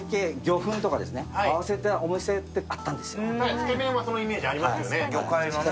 つけ麺はそのイメージがありますよね。